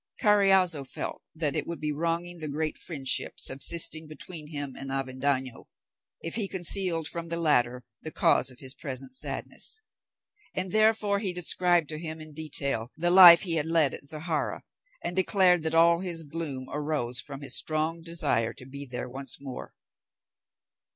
Carriazo felt that it would be wronging the great friendship subsisting between him and Avendaño if he concealed from the latter the cause of his present sadness; and therefore he described to him in detail the life he had led at Zahara, and declared that all his gloom arose from his strong desire to be there once more.